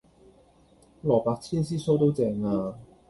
蘿蔔千絲酥都正呀